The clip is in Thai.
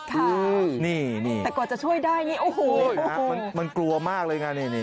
ค่ะนี่นี่แต่กว่าจะช่วยได้โอ้โฮมันกลัวมากเลยนะนี่นี่